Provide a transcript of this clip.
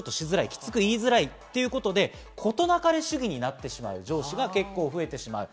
きつく言いづらいということで、事なかれ主義になってしまう上司が増えてしまう。